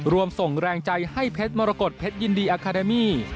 รวมส่งแรงใจให้เพชรมรกฏเพชรยินดีอาคาเดมี่